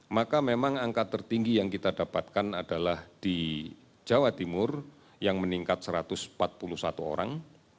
maka memang angka tertinggi yang kita dapatkan adalah di jawa timur yang meningkat satu ratus empat puluh satu orang